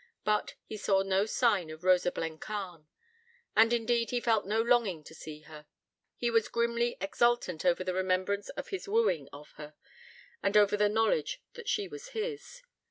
But he saw no sign of Rosa Blencarn; and, indeed, he felt no longing to see her: he was grimly exultant over the remembrance of his wooing of her, and over the knowledge that she was his.